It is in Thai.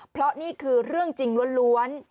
เพราะนี่คือเรื่องจริงล้วน